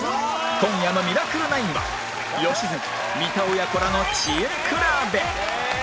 今夜の『ミラクル９』は良純三田親子らの知恵くらべ